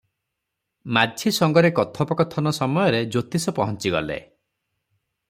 ମାଝି ସଙ୍ଗରେ କଥୋପକଥନ ସମୟରେ ଜ୍ୟୋତିଷ ପହଞ୍ଚିଗଲେ ।